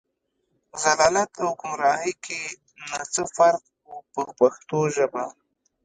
ضلالت او ګمراهۍ کې نه څه فرق و په پښتو ژبه.